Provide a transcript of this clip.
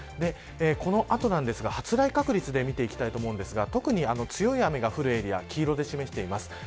この後なんですが発雷確率で見ていきたいと思うんですが特に強い雨が降る黄色いエリアを示しています。